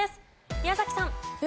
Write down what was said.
宮崎さん。